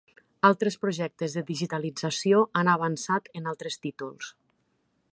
Altres projectes de digitalització han avançat en altres títols.